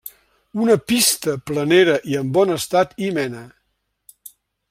Una pista planera i en bon estat hi mena.